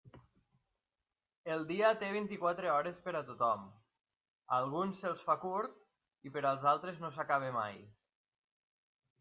El dia té vint-i-quatre hores per a tothom: a alguns se'ls fa curt i per als altres no s'acaba mai.